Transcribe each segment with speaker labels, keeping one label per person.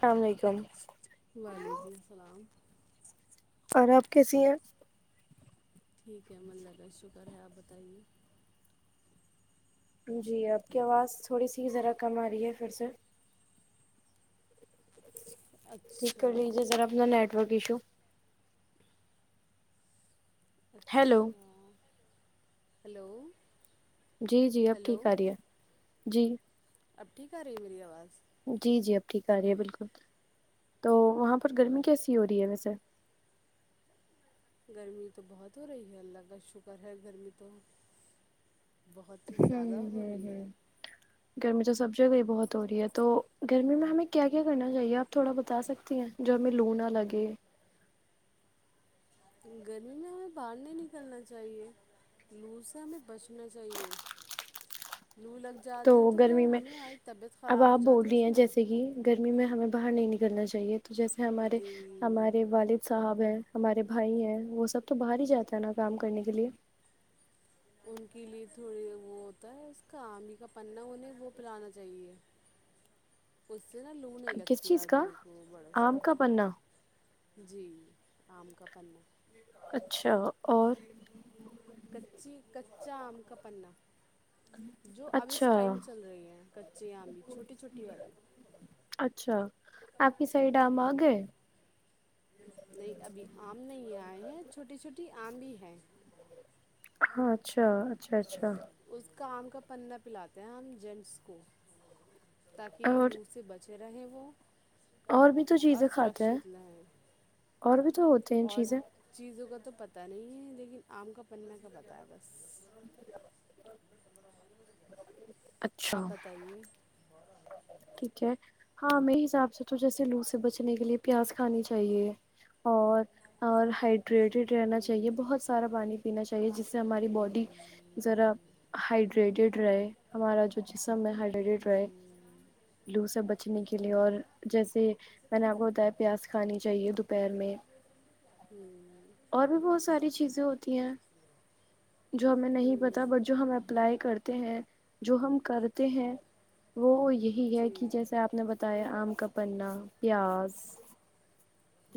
Speaker 1: السلام علیکم
Speaker 2: وعلیکم السلام
Speaker 1: اور آپ کیسی ہیں
Speaker 2: ٹھیک ہے اللہ کا شکر ہے آپ بتائیے [unintelligible]
Speaker 1: جی آپ کی آواز تھوڑی سی ذرا کم آ رہی ہے پھر سے ٹھیک کر
Speaker 2: اچھا
Speaker 1: لیجیے ذرا اپنا نیٹ ورک ایشو ہیلو
Speaker 2: اچھا ہلو
Speaker 1: جی جی اب ٹھیک
Speaker 2: ہلو
Speaker 1: آ رہی ہے جی
Speaker 2: اب ٹھیک آ رہی ہے میری آواز
Speaker 1: جی جی اب ٹھیک آ رہی ہے بالکل تو وہاں پر گرمی کیسی ہو رہی ہے ویسے
Speaker 2: گرمی تو بہت ہو رہی ہے اللہ کا شکر ہے گرمی تو بہت ہی
Speaker 1: ہ
Speaker 2: زیادہ
Speaker 1: ہ ہ
Speaker 2: ہو رہی
Speaker 1: ہ
Speaker 2: ہے
Speaker 1: گرمی چ سبزیاں بہت ہو رہی ہے تو گرمی میں ہمیں کیا کیا کرنا چاہیے آپ تھوڑا بتا سکتی ہیں جو ہمیں لو نہ لگے
Speaker 2: گرمی میں ہمیں باہر نہیں نکلنا چاہیے لوز سے ہمیں بچنا چاہیے لو لگ
Speaker 1: تو
Speaker 2: جاتی ہے کیا
Speaker 1: گرمی میں
Speaker 2: ہمیں ہماری طبیعت
Speaker 1: اب
Speaker 2: خراب ہو
Speaker 1: آپ
Speaker 2: جاتی
Speaker 1: بول
Speaker 2: ہے
Speaker 1: رہی
Speaker 2: اس
Speaker 1: ہیں
Speaker 2: میں
Speaker 1: جیسے کہ گرمی میں ہمیں باہر نہیں نکل کرنا چاہیے تو جیسے ہمارے
Speaker 2: جی
Speaker 1: ہمارے والد صاحب ہیں ہمارے بھائی ہیں وہ سب تو باہر ہی جاتا ہے نا کام کرنے کے لیے
Speaker 2: ان کے لیے تھوڑی وہ ہوتا ہے اس کا آم ہی کا پنا انہیں وہ پلانا چاہیے اس نا لو نہیں
Speaker 1: کس
Speaker 2: لگتی
Speaker 1: چیز کا
Speaker 2: آدمی کو بڑا
Speaker 1: آم کا پنا
Speaker 2: سے جی آم کا پنا
Speaker 1: اچھا اور
Speaker 2: کچی کچا آم کا پناہ جو اب اس
Speaker 1: اچھا
Speaker 2: ٹائم چل رہی ہیں کچے آاں بھی چھوٹی چھوٹی والی
Speaker 1: اچھا آپ کی سح ڈم آ گئے
Speaker 2: نہیں ابھی آم نہیں آئے ہیں چھوٹی چھوٹی آملی ہے
Speaker 1: ہاں اچھاچ اچھا اچھا
Speaker 2: کام کا پہ پلاتے ہیں ہم جینٹس کو تاکہ
Speaker 1: اور
Speaker 2: لو سے بچ چ رہ ہے وہو
Speaker 1: اور بھی تو چیزیں کھاتے ہیں اور بھی تو ہو چین
Speaker 2: اور
Speaker 1: چیزیں
Speaker 2: چیزوں کا تو پتہ نہیں ہے لیکن آم کا پننا کا پتائے گا
Speaker 1: اچھا
Speaker 2: آپ بتائیے
Speaker 1: ٹھیک ہے ہاں میرے حساب سے تو جیسے لو سے بچنے کے لیے پیاز کھانی چاہیے اور اور ہڈ رہنا چاہیے بہت سارا پانی پینا چاہیے جس سے ہماری باڈی
Speaker 2: ہوں
Speaker 1: ذرا ہڈ گڈڈ رہے ہمارا جو جسم ہے ہر ڈیڈٹرائی لوس بچنے کے لیے اور جیسے میں نے آپ کو بتا ہے پیاز کھانی چاہیے دوپہر میں
Speaker 2: ہوں
Speaker 1: اور بھی بہت ساری چیزیں ہوتی ہیں جو ہمیں نہیں پتا
Speaker 2: ہوں
Speaker 1: بٹ جو ہم اپلائی کرتے ہیں جو ہم کرتے ہیں وہ یہی ہے کہ
Speaker 2: جی
Speaker 1: جیسے آپ نے بتایا آم مک کا پنا پیاز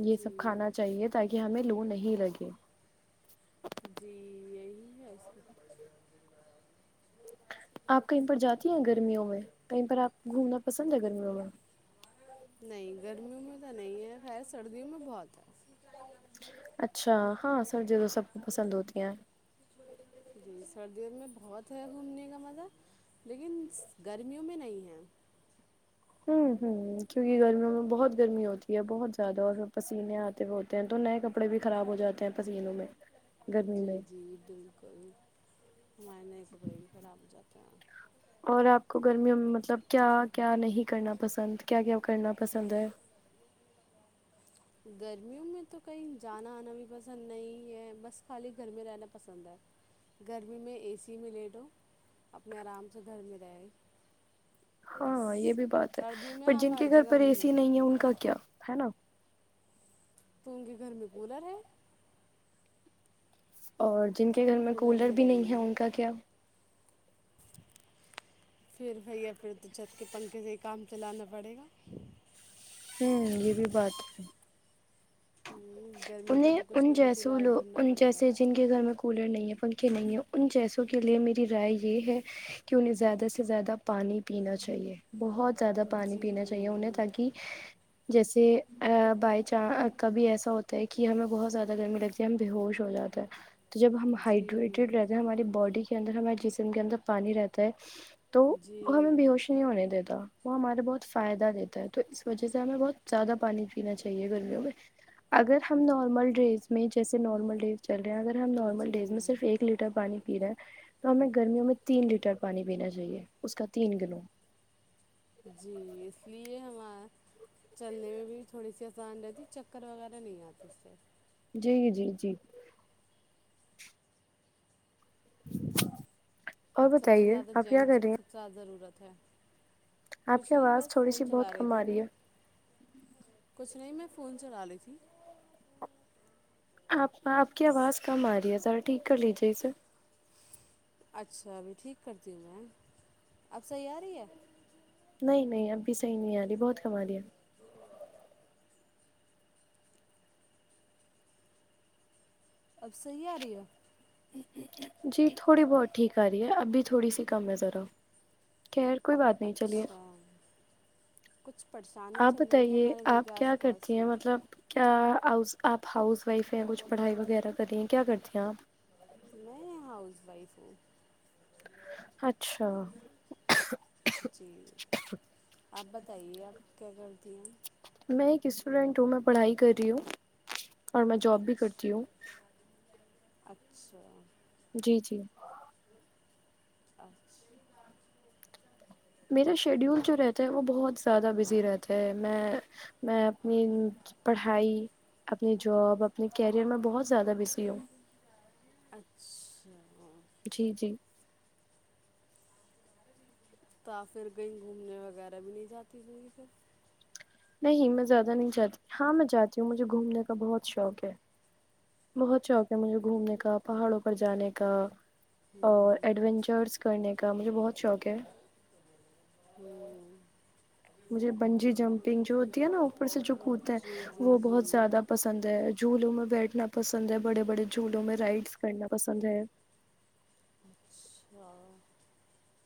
Speaker 1: یہ سب
Speaker 2: جی
Speaker 1: کھانا چاہیے تاکہ ہمیں لو نہیں ہی لگے
Speaker 2: جی یہی اس کی
Speaker 1: آپ کہیں پر جاتی ہیں گرمیوں میں کہیں پر آپ گھومنا پسند ہے گرمیوں میں
Speaker 2: نہیں گرمی میں تو نہیں ہے ہے سردیوں میں بہت ہے
Speaker 1: اچھا ہاں سر ج سب کو پسند ہوتی ہیں
Speaker 2: جی سردیوں میں بہت ہے گھومنے کا مزہ لیکن گرمیوں میں نہیں ہے
Speaker 1: ہوں ہوں کیونکہ گرمیوں میں بہت گرمی ہوتی ہے بہت زیادہ اور پسینے آتے ہو ہوتے ہیں تو نئے کپڑے بھی خراب ہو جاتے ہیں پسیینوں میں گرمی
Speaker 2: جی
Speaker 1: میں
Speaker 2: جی بالکل ہمائ نہیں س ب خراب جاتے ہیں
Speaker 1: اور آپ کو گرمیوں مطلب کیا کیا نہیں کرنا پسند کیا کیا کرنا پسند ہے
Speaker 2: گرمیوں میں تو کہیں جانا آنا بھی پسند نہیں ہے بس خالی گھر میں رہنا پسند ہے گرمی میں اے سی میں لے دو اپنے آرام سے گھر میں رہ
Speaker 1: ہاں یہ بھی بات ہے ب
Speaker 2: ہم
Speaker 1: جن
Speaker 2: ہر
Speaker 1: کے گھر
Speaker 2: جگہ
Speaker 1: پر اے سی
Speaker 2: گھومیں
Speaker 1: نہیں ہے ان کا کیا ہے نا
Speaker 2: تو ان کے گھر میں کولر ہے
Speaker 1: اور جن کے گھر میں کولر بھی نہیں ہے ان کا کیا
Speaker 2: پھر بھائی اپنے تو جھت کے پنکھے سے کام چلانا پڑے گا
Speaker 1: ہوں یہ بھی بات ہے
Speaker 2: گرمی کا
Speaker 1: انہیں
Speaker 2: تو کچھ
Speaker 1: ان
Speaker 2: نہ کچھ
Speaker 1: جیسوں
Speaker 2: علاج
Speaker 1: لو
Speaker 2: ڈھونڈنا
Speaker 1: ان
Speaker 2: پڑے گا
Speaker 1: جیسے جن کے گھر میں کولر نہیں ہے پنکھے نہیں ہیں ان جیسوں کے لیے میری رائے یہ ہے کہ انہیں زیادہ سے زیادہ پانی پینا چاہیے بہت زیادہ پانی پینا چاہیے انہیں
Speaker 2: جی
Speaker 1: تاکہ جیسے بائی چان کبھی ایسا ہوتا ہے کہ ہمیں بہت زیادہ گرمی لگتی ہے ہم ب ہوش ہو جاتا ہے تو جب ہم
Speaker 2: جی
Speaker 1: ہائڈریٹیڈ رہتے ہیں ہماری باڈی اندر ہمارے جسم کے اندر پانی رہتا ہے تو وہ ہمیں
Speaker 2: جی
Speaker 1: بیہوش نہیں ہونے دیتا وہ ہمارے بہت فائدہ دیتا ہے تو اس وجہ سے ہمیں بہت زیادہ پانی پینا چاہیے گرمیوں میں اگر ہم نارمل ڈیز میں جیسے نارمل ڈیز چل رہے ہیں اگر ہم نارمل ڈیز میں
Speaker 2: جی
Speaker 1: صرف ایک لیٹر پانی پی رہا ہے تو ہمیں گرمیوں میں تین لیٹر پانی پینا چاہیے اس کا تین کلو
Speaker 2: جی اس لیے ہمار چلنے میں بھی تھوڑی سی آسان رہتی چکر وغیرہ نہیں آتے اس سے
Speaker 1: جی جی جی اور
Speaker 2: سب سے
Speaker 1: بتائیے
Speaker 2: زیادہ
Speaker 1: آپ کیا کر
Speaker 2: جینٹس کو
Speaker 1: رہی
Speaker 2: سب
Speaker 1: ہیں
Speaker 2: سے زیادہ ضرورت اٹھ
Speaker 1: آپ کی آواز تھوڑی سی بہت کم آ رہی
Speaker 2: میں
Speaker 1: ہے
Speaker 2: کچھ نہیں میں فون چلا رہی تھی
Speaker 1: آپ آپ کی آواز کم آ رہی ہے ذرا ٹھیک کر لیجے اسے
Speaker 2: اچھا ابھی ٹھیک کرتی ہوں میں اب صحیح آ رہی ہے
Speaker 1: نہیں نہیں اب بھی صحیح نہیں آ رہی بہت کما دیا
Speaker 2: اب سیح رہ ہے
Speaker 1: جی تھوڑی بہت ٹھیک آ رہی ہے ابھی تھوڑی سی کم ہے ذرا خیر کوئی بات نہیں چلیے
Speaker 2: اچھا کچھ پرس
Speaker 1: آپ بتائیے آپ کیا کرتی ہیں
Speaker 2: میں
Speaker 1: مطلب کیا آپ ہاؤس وائف ہے کچھ پڑھائی وغیرہ کری ہیں کیا کرتی ہیں آپ
Speaker 2: سو [unintelligible]
Speaker 1: اچھا
Speaker 2: جی آپ بتائیے آپ کیا کرتی ہیں
Speaker 1: میں ایک اسٹوڈینٹ ہوں میں پڑھائی کر رہی ہوں اور میں جاب بھی کرتی
Speaker 2: اچھا
Speaker 1: ہوں
Speaker 2: اچھا
Speaker 1: جی جی
Speaker 2: اچھا
Speaker 1: میرا شیڈیول جو رہتا ہے وہ بہت زیادہ بزی رہتا ہے میں میں اپنی پڑھائی اپنی جاب اپنے کیریئر میں بہت زیادہ بزی ہوں
Speaker 2: اچھا
Speaker 1: جی جی
Speaker 2: تو پھر کہیں گھومنے وغیرہ بھی نہیں جاتی کہیں پہ
Speaker 1: نہیں میں زیادہ نہیں چاہتی ہاں میں جاتی ہوں مجھے گھومنے کا بہت شوق ہے بہت شوق ہے مجھے گھومنے کا پہاڑوں پر جانے کا اور ایڈونچرس کرنے کا مجھے بہت شوق ہے
Speaker 2: ہوں
Speaker 1: مجھے بنجی جمپنگ جو ہوتی ہے نا اوپر سے جو
Speaker 2: ہوں
Speaker 1: کوتے
Speaker 2: جی
Speaker 1: ہیں
Speaker 2: جی
Speaker 1: وہ
Speaker 2: جی
Speaker 1: بہت زیادہ پسند ہے جھولوں میں بیٹھنا پسند ہے بڑے بڑے جھولوں میں رائڈس کرنا پسند ہے
Speaker 2: و [unintelligible]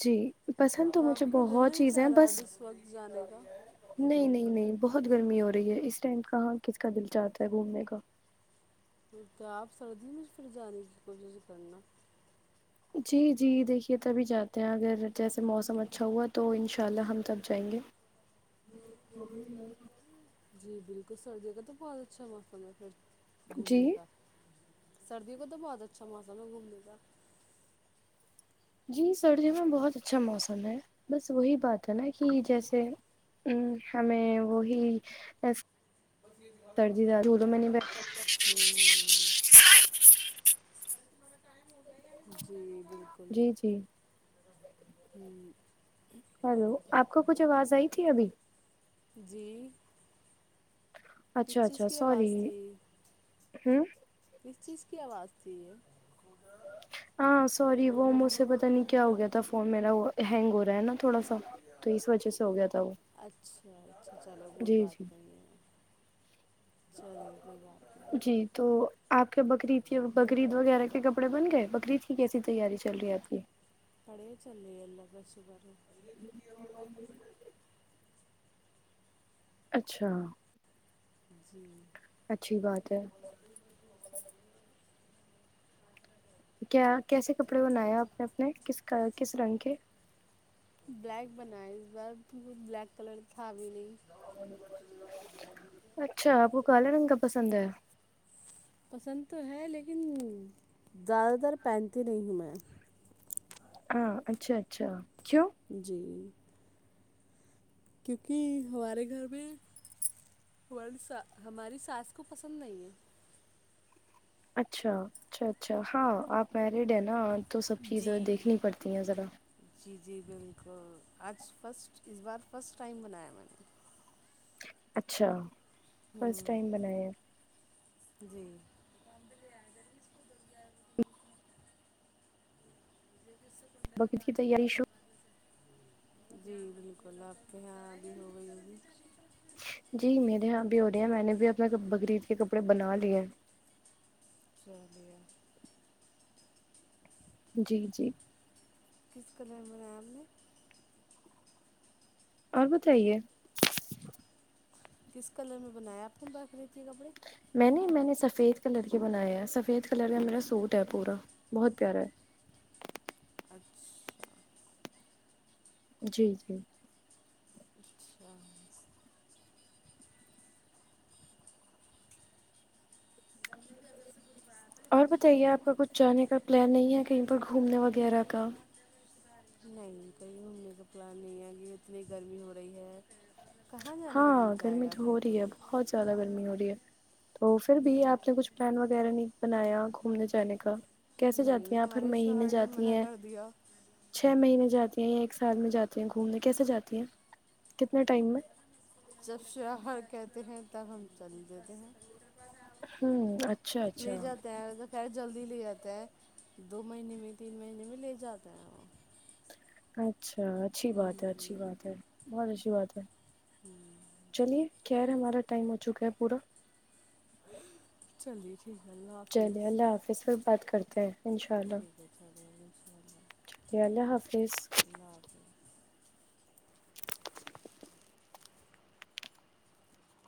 Speaker 1: جی پسند تو مجھے
Speaker 2: دل
Speaker 1: بہت
Speaker 2: نہیں
Speaker 1: چیزیں
Speaker 2: چاہ رہا
Speaker 1: بس
Speaker 2: اب اس وقت جانے کا
Speaker 1: نہیں نہیں نہیں بہت گرمی ہو رہی ہے اس ٹ کہاں کس کا دل چاتا ہے گھومنے کا
Speaker 2: کیا آپ سردیوں میں چ ہپھر جانے کی کوشش کرنا
Speaker 1: جی جی دیکھیے تبھی جاتے ہیں اگر جیسے موسم اچھا ہوا تو ان شاء اللہ ہم تب جائیں گے [inaudible]
Speaker 2: جی بالکل سردیوں کا تو بہت اچھا موسم ہے پر
Speaker 1: جی
Speaker 2: گن کا سردی کو تو بہت اچھا موسم ہے گھومنے کا
Speaker 1: جی سردیوں میں بہت اچھا موسم ہے بس وہی بات ہے نا کہ جیسے ا ہمیں وہی سرد دار دولو منی ب
Speaker 2: ہوں جی بالکل
Speaker 1: جی جی
Speaker 2: ہوں
Speaker 1: ہلو آپ کو کچھ آواز آئی ا ابھی
Speaker 2: جی
Speaker 1: اچھا
Speaker 2: کس چیز
Speaker 1: اچھا
Speaker 2: کی
Speaker 1: سور
Speaker 2: آواز
Speaker 1: ہ
Speaker 2: اس چیز کی آواز چی ہے
Speaker 1: ہاں سوری وہ مجھ سے پتا نہیں کیا ہو گیا تھا فون میرا وہ ہینگ ہو رہ نا تھوڑا سا تو اس وجہ سے ہو گیا تھا وہ
Speaker 2: اچ چلو کوئی
Speaker 1: جی
Speaker 2: بات
Speaker 1: جی
Speaker 2: نہیں ہے چلیے کوئی بات نہیں ہے
Speaker 1: جی تو آپ کے بکریید بکریید وغیرہ کے کپڑے بن گئے بکریید کیسی تیاری چل رہی ہے آپ کی
Speaker 2: کڑے چلے ال ال بس بر
Speaker 1: [unintelligible] اچھا
Speaker 2: جی
Speaker 1: اچھی بات ہے کیا کیسے کپڑے بناائے آپ نے اپنے کس کس رنگ کے
Speaker 2: بلیک بنائے ب بلیک کلر تھا بھی نہیں
Speaker 1: اچھا آپ وہ کالے رنگ کا پسند ہے
Speaker 2: پسند تو ہے لیکن زیادہ تر پینتی نہیں ہوں میں
Speaker 1: ہاں اچھا اچھا کیوں
Speaker 2: جی کیونکہ ہمارے گھر میںڈا ہماری ساس کو پسند نہیں ہے
Speaker 1: اچھا اچھا اچھا ہاں آپ میرڈ ہے نا تو سب
Speaker 2: جی
Speaker 1: چیزیں دیکھنی پڑتی ہیں ذرا
Speaker 2: جی جی بالکل آج فسٹ اس بار فسٹ ٹائم بنایا میں نے
Speaker 1: اچھا فرسٹ
Speaker 2: ہوں
Speaker 1: ٹائم بنایا
Speaker 2: جی [inaudible]
Speaker 1: بگ کی تیاری شو
Speaker 2: جی بالکل آپ کے یہاں عادی ہو گئی جی
Speaker 1: جی میرے یہاں بھی ہو رہے ہیں میں نے بھی اپنے بقریید کے کپڑے بنا لیے ہیں
Speaker 2: چاہ دیا
Speaker 1: جی جی
Speaker 2: تس کلر میںیر آپ نے [inaudible]
Speaker 1: اور بتائیے
Speaker 2: کس کلر میں بنایا آپ نے بقری
Speaker 1: میں نے میں نے سب سفید کلر کے بناائے ہے سفید کلر کا میرا سوٹ ہے پورا بہت پیارا ہے
Speaker 2: اچھا
Speaker 1: جی جی
Speaker 2: ا [inaudible]
Speaker 1: اور بتائیے آپ کا کچھ جانے کا پلان نہیں ہے کہیں پر گھومنے وغیرہ کا
Speaker 2: نہیں کہیں گھومنے کا پلان نہیں ہے کہ اتنی گرمی ہو رہی ہے کہاں جانے کا
Speaker 1: ہاں
Speaker 2: دل کہے
Speaker 1: گرمی
Speaker 2: گا
Speaker 1: تو
Speaker 2: پھر
Speaker 1: ہو رہی ہے بہت زیادہ گرمی ہو رہی ہے تو پھر بھی آپ نے کچھ پلان وغیرہ نہیں بنایا گھومنے جانے کا کیسے جاتی
Speaker 2: نہیں
Speaker 1: ہیں آپ ہر
Speaker 2: ہمارے
Speaker 1: مہینے
Speaker 2: شوہر نے
Speaker 1: جاتی
Speaker 2: منع
Speaker 1: ہیں
Speaker 2: کر دیا
Speaker 1: چھ مہینے جاتی ایک سال میں جاتی ہیں گھومنے کیسے جاتی ہیں کتنے ٹائم میں
Speaker 2: جب شواہر کہتے ہیں تب ہم چلیں
Speaker 1: ہوں اچھا اچھا
Speaker 2: لی جاتے ہیں جلدی ج مہی ت مہی لے جات [unintelligible]
Speaker 1: اچ [unintelligible] اچھا اچھی بات ہے اچھی بات ہے بہت اچ بات ہے [unintelligible] چلیے خر ہے ہمارا ٹائم ہو چکا ہے پورا
Speaker 2: جلی
Speaker 1: چلے اللہ حافظ بات کرتے ہیں ان شاء
Speaker 2: ٹھیک
Speaker 1: اللہ
Speaker 2: ہے چلے جی
Speaker 1: اللہ حافظ
Speaker 2: اللہ حافظ
Speaker 1: [inaudible]